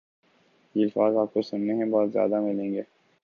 یہ الفاظ آپ کو سنے میں بہت زیادہ ملیں گے